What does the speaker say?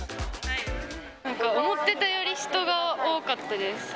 なんか思ってたより人が多かったです。